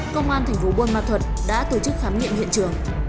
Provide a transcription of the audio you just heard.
công an thành phố buôn ma thuật đã tổ chức khám nghiệm hiện trường